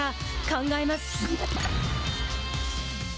考えます。